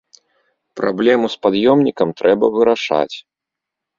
Праблему з пад'ёмнікам трэба вырашаць.